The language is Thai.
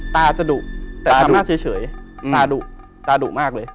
ตาจะดุแต่ตาหน้าเฉยตาดุตาดุมากเลย